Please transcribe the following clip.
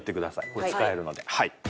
これ使えるので。